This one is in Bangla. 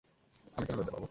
আমি কেন লজ্জা পাবো?